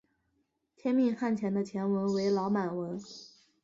天命汗钱的钱文为老满文。